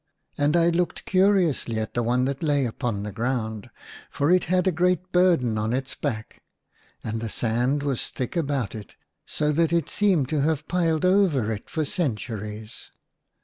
And I looked curiously at the one that lay upon the ground, for it had a great burden on its back, and the sand was thick about it, so that it seemed to have piled over it for centuries.